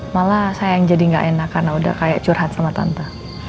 malah saya yang jadi gak enak karena udah kayak curhat sama tante